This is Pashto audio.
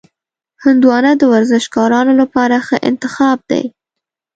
هندوانه د ورزشکارانو لپاره ښه انتخاب دی.